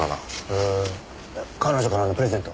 へえ彼女からのプレゼント？